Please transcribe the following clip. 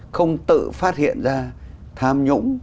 không tự phát hiện ra tham nhũng